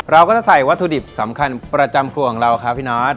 เราก็จะใส่วัตถุดิบสำคัญประจำครัวของเราครับพี่นอท